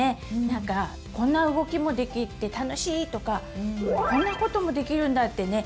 なんかこんな動きもできて楽しいとかこんなこともできるんだってね